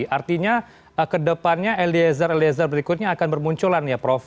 artinya ke depannya elizeth elizeth berikutnya akan bermunculan ya prof